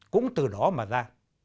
cũng từ đó mà ra